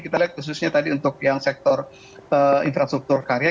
kita lihat khususnya tadi untuk yang sektor infrastruktur karya